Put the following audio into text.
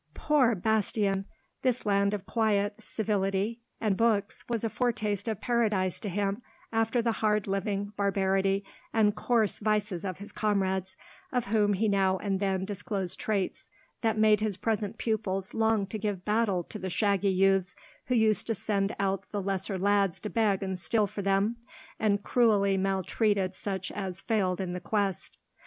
Poor Bastien! this land of quiet, civility, and books was a foretaste of Paradise to him after the hard living, barbarity, and coarse vices of his comrades, of whom he now and then disclosed traits that made his present pupils long to give battle to the big shaggy youths who used to send out the lesser lads to beg and steal for them, and cruelly maltreated such as failed in the quest.